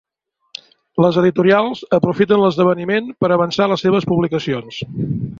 Les editorials aprofiten l’esdeveniment per avançar les seves publicacions.